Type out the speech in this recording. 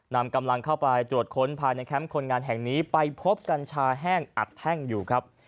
นำกำลังเข้าไปตรวจค้นภายในแคมป์คนงานแห่งนี้ไปพบกัญชาแห้งอัดแท่งอยู่ครับ